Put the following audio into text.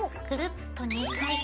くるっと。